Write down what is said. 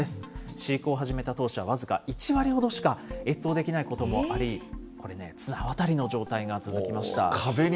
飼育を始めた当初は、僅か１割ほどしか越冬できないこともあり、これね、綱渡りの状態が続きました。